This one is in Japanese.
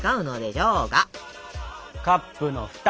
カップの蓋！